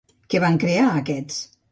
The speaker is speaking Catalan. Què van crear aquests?